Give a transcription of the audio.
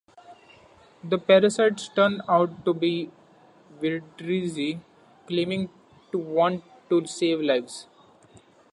The parasites turn out to be Vindrizi claiming to want to save lives.